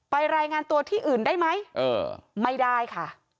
รายงานตัวที่อื่นได้ไหมไม่ได้ค่ะ